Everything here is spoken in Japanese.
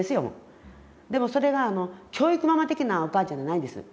でもそれが教育ママ的なお母ちゃんじゃないんです。